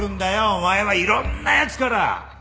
お前はいろんなやつから！